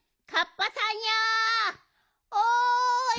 おい！